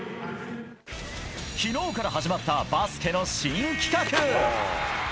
昨日から始まったバスケの新企画！